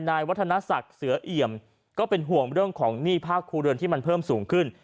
วัฒนศักดิ์เสือเอี่ยมก็เป็นห่วงเรื่องของหนี้ภาคครัวเรือนที่มันเพิ่มสูงขึ้น